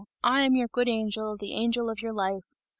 I am your good angel, the angel of your life!